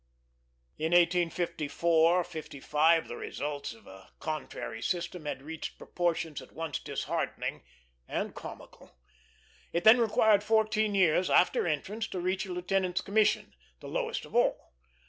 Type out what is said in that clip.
In 1854 55, the results of a contrary system had reached proportions at once disheartening and comical. It then required fourteen years after entrance to reach a lieutenant's commission, the lowest of all.